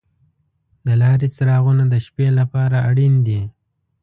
د لارې څراغونه د شپې لپاره اړین دي.